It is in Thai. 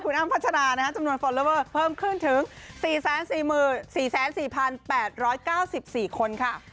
อ้ำพัชราจำนวนฟอลเลอเวอร์เพิ่มขึ้นถึง๔๔๔๘๙๔คนค่ะ